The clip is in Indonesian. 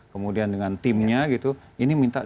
kemudian dengan timnya gitu ini minta